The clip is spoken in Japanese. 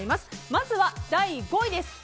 まずは第５位です。